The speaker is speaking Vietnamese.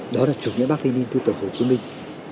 đó là chủ nghĩa bác liên minh tư tưởng hồ chí minh